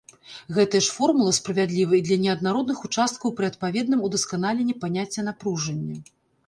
Гэтая ж формула справядліва і для неаднародных участкаў пры адпаведным удасканаленні паняцця напружання.